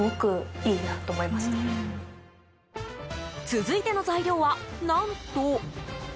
続いての材料は、何と。